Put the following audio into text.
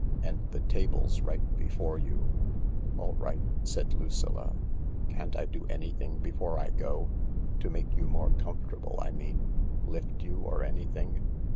And the table's right before you/' "All right," said Lucilla. "Can't I do anything before I go ? To make you more comfortable, I mean— lift you, or anything